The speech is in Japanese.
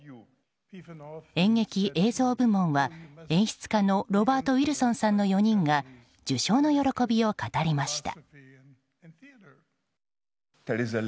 演劇・映像部門は、演出家のロバート・ウィルソンさんの４人が受賞の喜びを語りました。